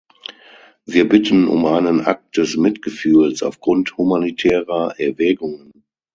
Wir bitten um einen Akt des Mitgefühls aufgrund humanitärer Erwägungen.